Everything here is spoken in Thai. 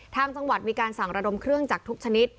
ทางจังหวัดมีการสั่งระดมเครื่องจักรทุกชนิด